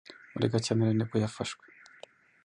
muri Gashyantare nibwo yafashwe